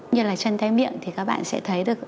như là chân tay miệng thì các bạn sẽ thấy được